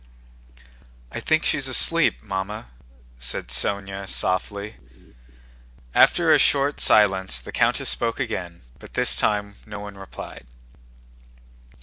"I think she's asleep, Mamma," said Sónya softly. After a short silence the countess spoke again but this time no one replied.